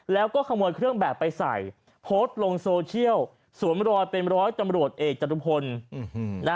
แล้วก็ขโมยเครื่องแบบไปใส่โพสต์ลงโซเชียลสวมรอยเป็นร้อยตำรวจเอกจตุพล